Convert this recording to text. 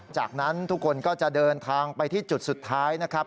จากนั้นทุกคนก็จะเดินทางไปที่จุดสุดท้ายนะครับ